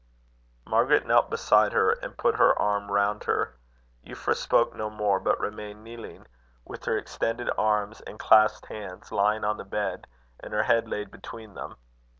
Margaret knelt beside her, and put her arm round her. Euphra spoke no more, but remained kneeling, with her extended arms and clasped hands lying on the bed, and her head laid between them.